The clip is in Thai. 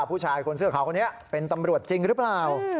ผู้ชายคนเสื้อขาวคนนี้เป็นตำรวจจริงหรือเปล่า